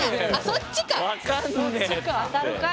そっちか！